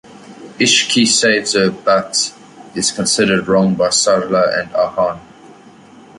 Ishqi saves her but is considered wrong by Sarla and Ahaan.